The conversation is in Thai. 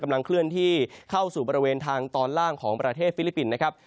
เคลื่อนที่เข้าสู่บริเวณทางตอนล่างของประเทศฟิลิปปินส์นะครับ